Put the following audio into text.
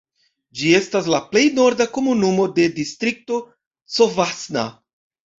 Ĝi estas la plej norda komunumo de distrikto Covasna.